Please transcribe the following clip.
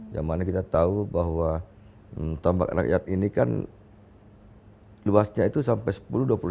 yang mana kita tahu bahwa tambak rakyat ini kan luasnya itu sampai sepuluh dua puluh lima